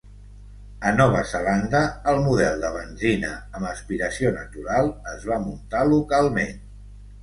A Nova Zelanda, el model de benzina amb aspiració natural es va muntar localment.